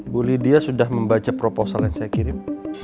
bu lydia sudah membaca proposal yang saya kirim